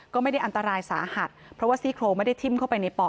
ก็ไม่ได้อันตรายสาหัสเพราะว่าซี่โครงไม่ได้ทิ้มเข้าไปในป่อ